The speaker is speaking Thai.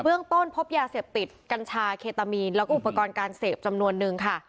เรื่องต้นพบยาเสพติดกัญชาเคตามีนแล้วก็อุปกรณ์การเสพจำนวนนึงค่ะ